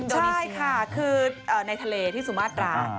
ใช่ค่ะคือในทะเลที่สุมาตรา